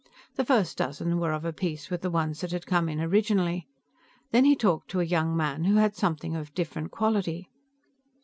The first dozen were of a piece with the ones that had come in originally. Then he talked to a young man who had something of different quality.